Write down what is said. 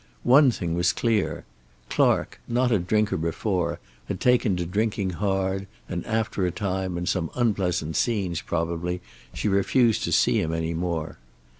One thing was clear; Clark, not a drinker before, had taken to drinking hard, and after a time, and some unpleasant scenes probably, she refused to see him any more.